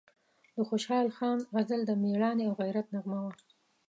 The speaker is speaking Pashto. د خوشحال خان غزل د میړانې او غیرت نغمه وه،